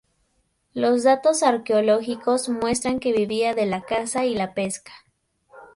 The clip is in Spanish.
Los datos arqueológicos muestran que vivían de la caza y la pesca.